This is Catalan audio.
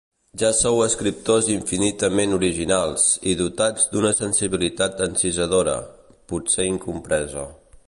Ja sou escriptors infinitament originals i dotats d'una sensibilitat encisadora, potser incompresa.